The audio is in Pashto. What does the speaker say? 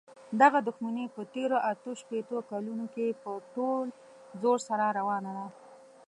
دغه دښمني په تېرو اته شپېتو کالونو کې په ټول زور سره روانه ده.